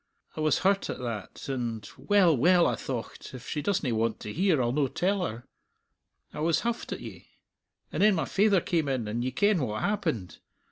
I was hurt at that, and 'Well, well,' I thocht, 'if she doesna want to hear, I'll no tell her.' I was huffed at ye. And then my faither came in, and ye ken what happened.